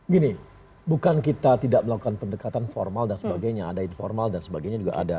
gini bukan kita tidak melakukan pendekatan formal dan sebagainya ada informal dan sebagainya juga ada